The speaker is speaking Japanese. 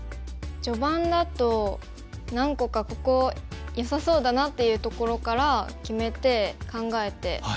序盤だと何個かここよさそうだなっていうところから決めて考えて打ちます。